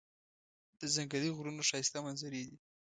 د ځنګلي غرونو ښایسته منظرې دي.